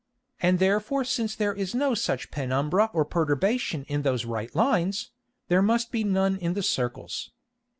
And therefore since there is no such Penumbra or Perturbation in those right Lines, there must be none in the Circles.